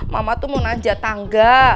mama tuh mau naja tangga